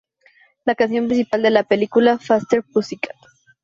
La canción principal de la película, "Faster Pussycat!